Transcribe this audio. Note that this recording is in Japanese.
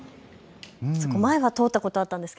前は通ったことあったんですが。